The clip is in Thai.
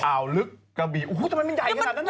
ลึกกระบี่โอ้โหทำไมมันใหญ่ขนาดนั้นน่ะ